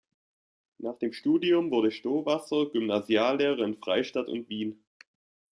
Nach dem Studium wurde Stowasser Gymnasiallehrer in Freistadt und Wien.